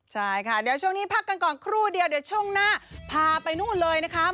ใช่ค่ะเดี๋ยวช่วงนี้พักกันก่อนครู่เดียวเดี๋ยวช่วงหน้าพาไปนู่นเลยนะคะ